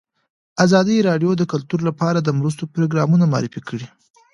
ازادي راډیو د کلتور لپاره د مرستو پروګرامونه معرفي کړي.